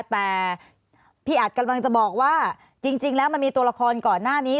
แต่พี่อัดกำลังจะบอกว่าจริงแล้วมันมีตัวละครก่อนหน้านี้